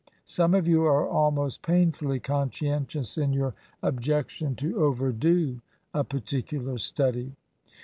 Some of you are almost painfully conscientious in your objection to overdo a particular study.